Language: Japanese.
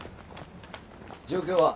状況は？